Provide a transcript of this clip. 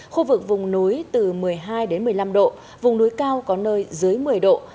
khu vực vùng núi từ một mươi hai đến một mươi năm độ vùng núi cao có nơi dưới một mươi độ